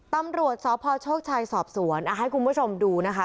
ตำรวจสพโชคชัยสอบสวนให้คุณผู้ชมดูนะคะ